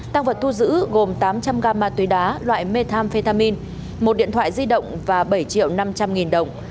tăng vật thu giữ gồm tám trăm linh gam ma túy đá loại methamphetamin một điện thoại di động và bảy triệu năm trăm linh nghìn đồng